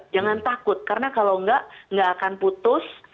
jangan takut karena kalau enggak nggak akan putus